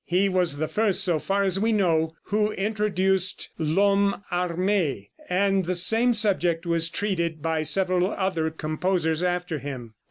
He was the first, so far as we know, who introduced "L'Omme Armé," and the same subject was treated by several other composers after him.